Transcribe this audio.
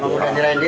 sudah nyerahin diri